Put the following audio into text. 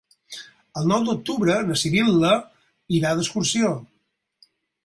El nou d'octubre na Sibil·la irà d'excursió.